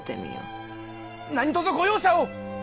何とぞご容赦を！